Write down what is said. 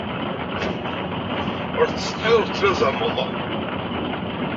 Ur tettsetḥiḍ ur tettlazamed.